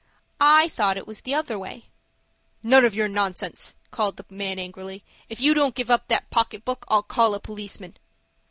"I thought it was the other way." "None of your nonsense," said the man angrily. "If you don't give up that pocket book, I'll call a policeman."